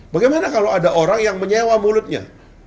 bagaimana kalau ada orang yang menyewa mulutnya